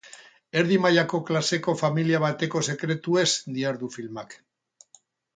Erdi mailako klaseko familia bateko sekretuez dihardu filmak.